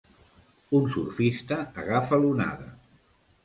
un surfista agafa l'onada.